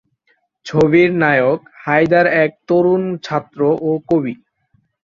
ছবির নায়ক হায়দার এক তরুণ ছাত্র ও কবি।